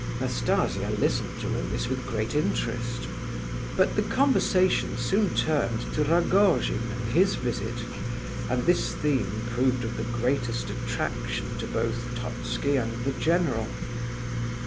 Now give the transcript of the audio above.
Nastasia listened to all this with great interest; but the conversation soon turned to Rogojin and his visit, and this theme proved of the greatest attraction to both Totski and the general.